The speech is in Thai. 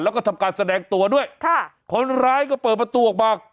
แล้วก็ทำการแสดงตัวด้วยค่ะคนร้ายก็เปิดประตูออกมา